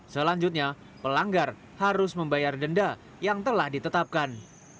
selanjutnya pelanggar harus membayar denda yang telah ditetapkan